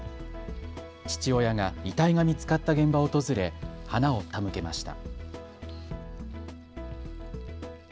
父親が遺体が見つかった現場を訪れ花を手向けました。